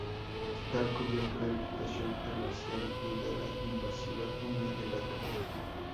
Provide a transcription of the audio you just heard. Está cubierta de vegetación herbácea, incluida la invasiva uña de gato.